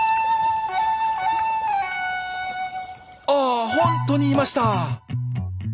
あ本当にいました！